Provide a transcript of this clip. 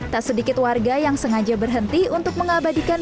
tak sedikit warga yang sengaja berhenti untuk mengabadikan